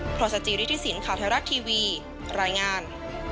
พศจริษฐศิลป์ขาวธรรมดาทีวีรายงาน